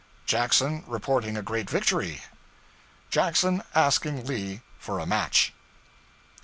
Jackson Reporting a Great Victory. Jackson Asking Lee for a Match.